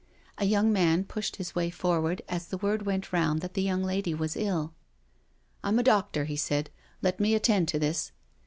A young man pushed his way forward as the word went round that the young lady was ill. " I'm a doctor," he said: " let me attend to this."